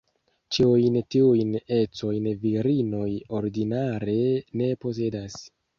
Ĉiujn tiujn ecojn virinoj ordinare ne posedas.